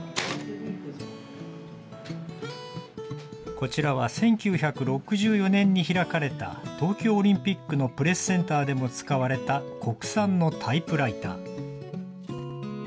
こちらは、１９６４年に開かれた、東京オリンピックのプレスセンターでも使われた、国産のタイプライター。